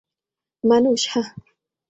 মানুষ, হাহ?